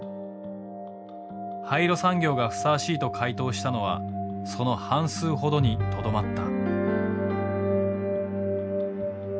廃炉産業がふさわしいと回答したのはその半数ほどにとどまった。